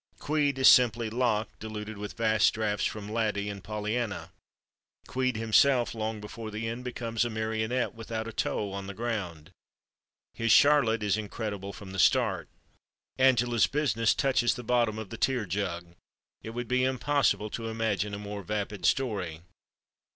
"Queed" is simply Locke diluted with vast drafts from "Laddie" and "Pollyanna." Queed, himself, long before the end, becomes a marionette without a toe on the ground; his Charlotte is incredible from the start. "Angela's Business" touches the bottom of the tear jug; it would be impossible to imagine a more vapid story.